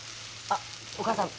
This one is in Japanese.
あっお母さん